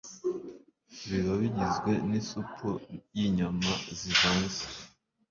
Biba bigizwe n'isupu y'inyama zivanze